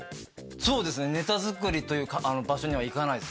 そうですねネタ作りという場所には行かないです